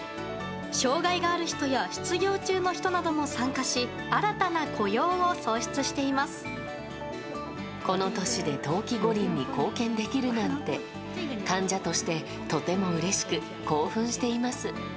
障がいがある人や失業中の人なども参加し、新たな雇用を創出してこの年で冬季五輪に貢献できるなんて、患者としてとてもうれしく、興奮しています。